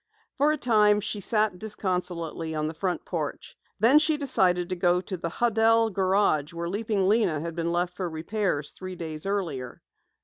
For a time she sat disconsolately on the front porch. Then she decided to go to the Hudell Garage where Leaping Lena had been left for repairs three days earlier.